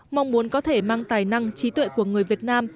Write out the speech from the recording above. mong muốn có thể mang tài năng trí tuệ của người việt nam